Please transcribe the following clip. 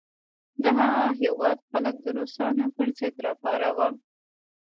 د هغه هیواد خلک د روسانو پر ضد را پاروم.